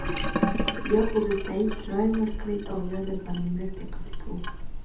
یا خو د تایید رایه ورکړئ او یا درباندې مرستې قطع کوو.